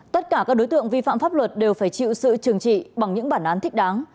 tất cả các đối tượng vi phạm pháp luật đều phải chịu sự trừng trị bằng những bản án thích đáng